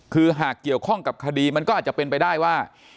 คือหากเกี่ยวข้องกับคดีมันก็อาจจะเป็นไปได้ว่า